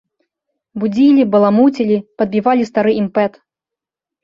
Будзілі, баламуцілі, падбівалі стары імпэт.